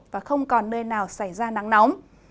và không còn nơi nào xảy ra nắng nóng